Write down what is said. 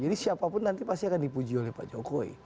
jadi siapapun nanti pasti akan dipuji oleh pak jokowi